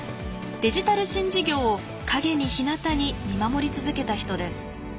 デジタル新事業を陰にひなたに見守り続けた人です。